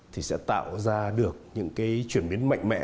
thì sẽ tạo ra được những cái chuyển biến mạnh mẽ